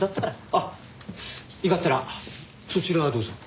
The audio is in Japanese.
あっいがったらそちらどうぞ。